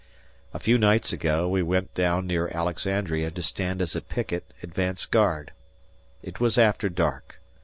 ... A few nights ago we went down near Alexandria to stand as a picket (advance) guard. It was after dark.